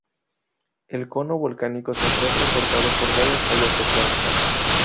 El cono volcánico se encuentra cortado por varias fallas tectónicas.